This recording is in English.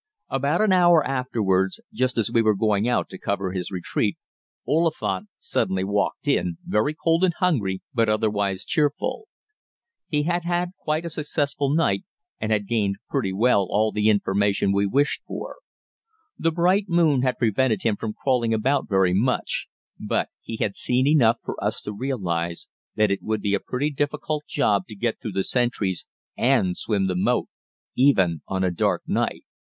About an hour afterwards, just as we were going out to cover his retreat, Oliphant suddenly walked in, very cold and hungry but otherwise cheerful. He had had quite a successful night, and had gained pretty well all the information we wished for. The bright moon had prevented him from crawling about very much, but he had seen enough for us to realize that it would be a pretty difficult job to get through the sentries and swim the moat even on a dark night.